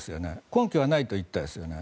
根拠はないと言ったんですよね。